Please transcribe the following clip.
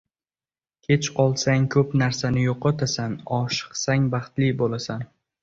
• Kech qolsang ko‘p narsani yo‘qotasan, oshiqsang baxtli bo‘lasan.